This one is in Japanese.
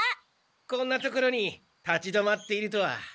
こんな所に立ち止まっているとは。